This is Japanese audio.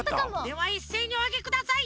ではいっせいにおあげください！